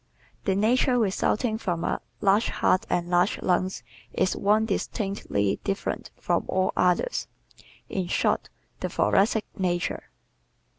The nature resulting from a large heart and large lungs is one distinctly different from all others in short, the Thoracic nature.